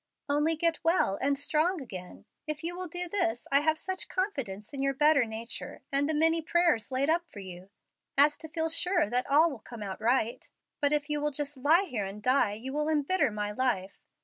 Only get well and strong again. If you will do this, I have such confidence in your better nature, and the many prayers laid up for you, as to feel sure that all will come out right. But if you will just lie here and die, you will imbitter my life.